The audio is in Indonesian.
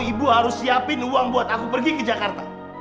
ibu harus siapin uang buat aku pergi ke jakarta